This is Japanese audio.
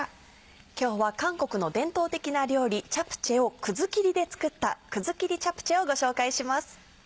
今日は韓国の伝統的な料理チャプチェをくずきりで作った「くずきりチャプチェ」をご紹介します。